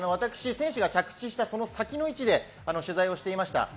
選手が着地したその先の位置で取材をしていました。